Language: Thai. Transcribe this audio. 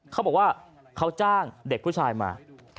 เขาบอกว่าเขาจ้างเด็กผู้ชายมา